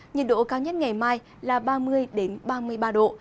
nhiệt độ cao nhất ngày mai là ba mươi ba mươi ba độ